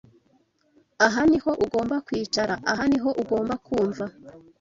Aha niho ugomba kwicara aha niho ugomba kumva